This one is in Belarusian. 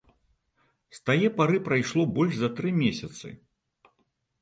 З тае пары прайшло больш за тры месяцы.